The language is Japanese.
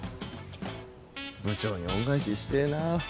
部長に恩返ししてえなぁ。